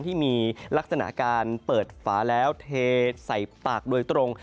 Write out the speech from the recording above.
ที่มีลักษณะการเปิดฝาแล้วเทใส่ปากโดยตรง